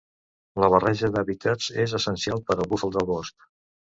La barreja d'hàbitats és essencial per al búfal de bosc.